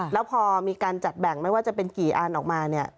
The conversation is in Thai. แล้วพอมีการจัดแบ่งไม่ว่าจะเป็นกี่อันออกมาเนี่ย